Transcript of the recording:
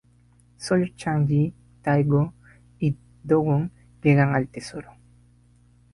Solo Chang-yi, Tae-goo y Do-won llegan al "tesoro".